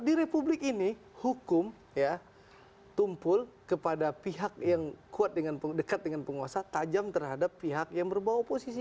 di republik ini hukum ya tumpul kepada pihak yang kuat dekat dengan penguasa tajam terhadap pihak yang berbau posisi